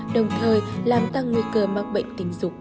đồng thời làm tăng nguy cơ mắc bệnh tình dục